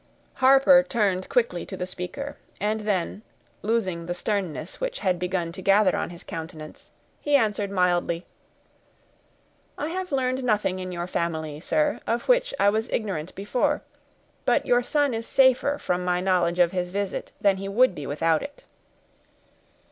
Harper turned quickly to the speaker, and then, losing the sternness which had begun to gather on his countenance, he answered mildly, "I have learned nothing in your family, sir, of which I was ignorant before; but your son is safer from my knowledge of his visit than he would be without it."